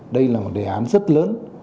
đây là một đề án rất lớn